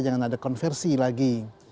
jangan ada konversi lagi